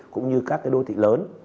cũng như các đô thị lớn